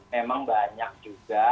memang banyak juga